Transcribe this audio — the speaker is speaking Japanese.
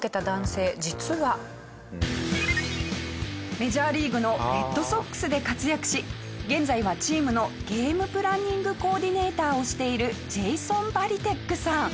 メジャーリーグのレッドソックスで活躍し現在はチームのゲームプランニングコーディネーターをしているジェイソン・バリテックさん。